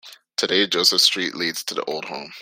Today, Joseph Street leads to the old home.